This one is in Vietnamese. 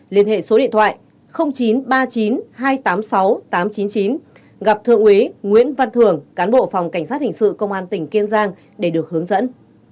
liên hệ số điện thoại chín trăm ba mươi chín hai trăm tám mươi sáu tám trăm chín mươi chín gặp thượng úy nguyễn văn thường cán bộ phòng cảnh sát hình sự công an tỉnh kiên giang để được hướng dẫn